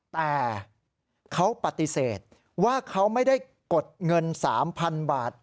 แต่เขาปฏิเสธว่าเขาไม่ได้กดเงิน๓๐๐๐บาท